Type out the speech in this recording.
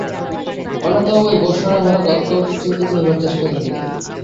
অন্নদাবাবু এই ভর্ৎসনায় হঠাৎ অত্যন্ত চিন্তিত হইবার চেষ্টা করিলেন।